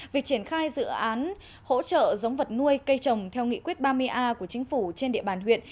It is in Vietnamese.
việc triển khai dự án hỗ trợ giống vật nuôi cây trồng theo nghị quyết ba mươi a của chính phủ trên địa bàn huyện